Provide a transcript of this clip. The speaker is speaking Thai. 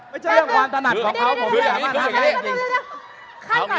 ไม่จริงคืออย่างนี้